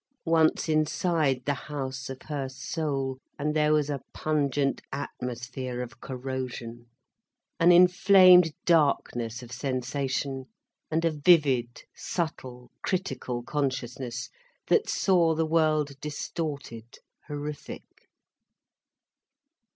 Once inside the house of her soul and there was a pungent atmosphere of corrosion, an inflamed darkness of sensation, and a vivid, subtle, critical consciousness, that saw the world distorted, horrific.